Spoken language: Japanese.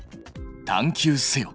探究せよ！